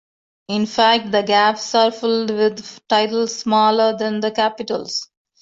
In fact, the gaps are filled with tiles smaller than the capitals.